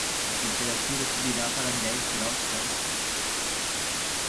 A temperatura subirá para dez graus Celsius.